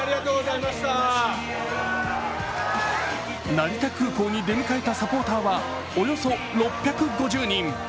成田空港に出迎えたサポーターはおよそ６５０人。